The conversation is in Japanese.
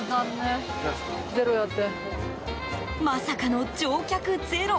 まさかの乗客ゼロ。